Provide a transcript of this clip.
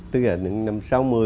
tức là những năm sáu mươi